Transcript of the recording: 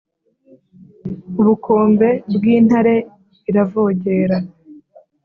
ubukombe bw’intare iravogera